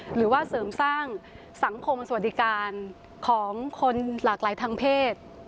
หรือว่าเสริมสร้างสังคมสวัสดิการของคนหลากหลายทางเพศ